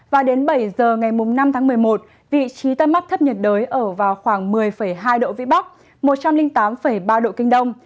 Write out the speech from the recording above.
và đến bảy giờ ngày năm tháng một mươi một vị trí tâm áp thấp nhiệt đới ở vào khoảng một mươi hai độ vĩ bắc một trăm linh tám ba độ kinh đông